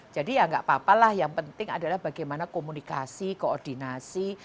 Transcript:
ya nggak apa apa lah yang penting adalah bagaimana komunikasi koordinasi